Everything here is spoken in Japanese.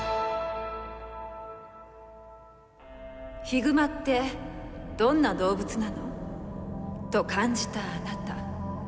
ヒグマってどんな動物なの？と感じたあなた。